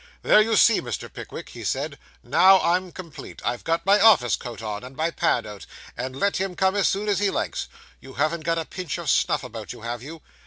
'There, you see, Mr. Pickwick,' he said, 'now I'm complete. I've got my office coat on, and my pad out, and let him come as soon as he likes. You haven't got a pinch of snuff about you, have you?